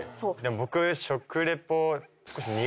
僕。